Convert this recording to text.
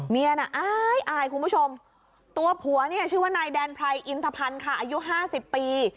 มีอันน่ะคุณผู้ชมตัวผัวนี่ชื่อว่านายแดนไพรอินทภัณฑ์ค่ะอายุห้าสิบปี